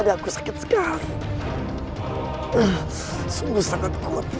aku akan menangkapmu